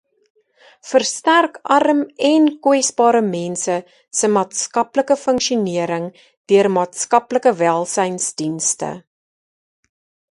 Versterk arm en kwesbare mense se maatskaplike funksionering deur maatskaplikewelsynsdienste.